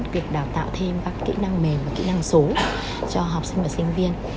việc đào tạo thêm các kỹ năng mềm và kỹ năng số cho học sinh và sinh viên